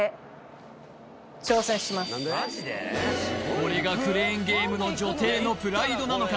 これがクレーンゲームの女帝のプライドなのか？